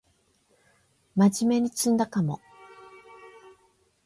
まじめに詰んだかも